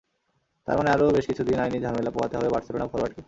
তার মানে আরও বেশ কিছুদিন আইনি ঝামেলা পোহাতে হবে বার্সেলোনা ফরোয়ার্ডকে।